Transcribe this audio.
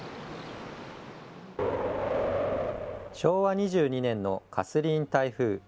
昭和２２年のカスリーン台風。